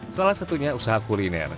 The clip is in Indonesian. salah satunya usaha kuliner